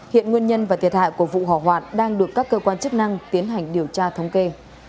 hiện nguyên nhân và thiệt hại của vụ hỏa hoạn đang được các cơ quan chức năng tiến hành điều tra thống kê